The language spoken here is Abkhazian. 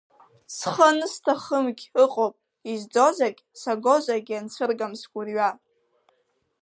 Схы анысҭахымгь ыҟоуп, изӡозаргь, сагозаргь ианцәыргам сгәырҩа.